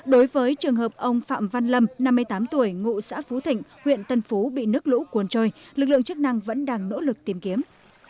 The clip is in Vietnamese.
đối với trường hợp ông phạm văn lâm năm mươi tám tuổi ngụ xã phú thịnh huyện tân phú bị nước lũ cuốn trôi lực lượng chức năng vẫn đang nỗ lực tìm kiếm